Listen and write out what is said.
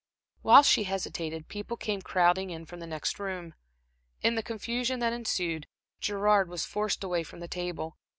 While she hesitated, people came crowding in from the next room. In the confusion that ensued, Gerard was forced away from the table.